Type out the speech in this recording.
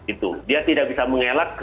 itu dia tidak bisa mengelak